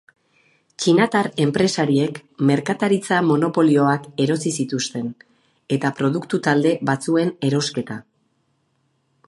Txinatar enpresariek merkataritza-monopolioak erosi zituzten eta produktu-talde batzuen erosketa.